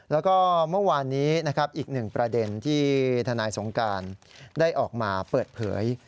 แล้วก็เมื่อวานนี้นะครับอีกหนึ่งประเด็นที่ทนายสงการได้ออกมาเปิดเผย